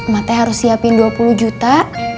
matanya harus siapin dua puluh juta